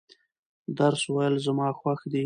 درس ویل زما خوښ دي.